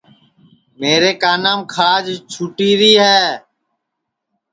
میرے کانام کھاج چھُوٹِیری ہے